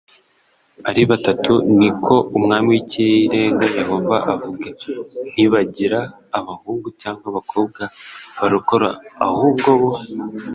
ari batatu ni ko Umwami w Ikirenga Yehova avuga ntibagira abahungu cyangwa abakobwa barokora ahubwo bo